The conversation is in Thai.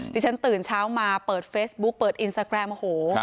ที่ฉันตื่นเช้ามาเปิดเฟซบุ๊กเปิดอินสตาแกรมโอ้โห